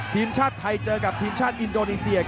ทีมชาติไทยเจอกับทีมชาติอินโดนีเซีย